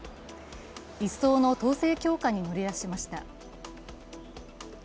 一層の統制強化に乗り出しました。